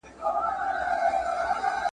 زه به په هغه ورځ `